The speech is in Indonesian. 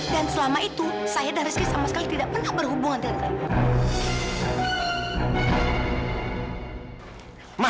dan selama itu saya dan rizky sama sekali tidak pernah berhubungan dengan kamu